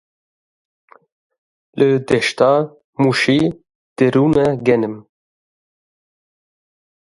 Li deşta Mûşê dirûna genim.